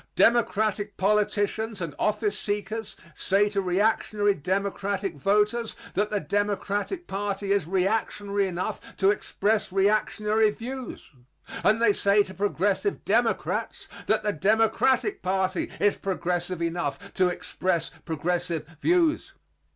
Democratic politicians and office seekers say to reactionary Democratic voters that the Democratic party is reactionary enough to express reactionary views; and they say to progressive Democrats that the Democratic party is progressive enough to express progressive views.